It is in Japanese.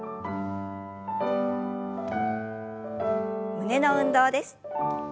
胸の運動です。